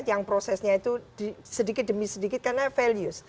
yang prosesnya itu sedikit demi sedikit karena values